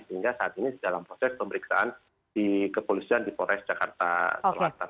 sehingga saat ini dalam proses pemeriksaan di kepolisian di polres jakarta selatan